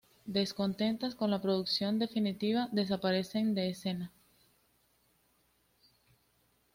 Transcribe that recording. Descontentas con la producción definitiva, desaparecen de escena.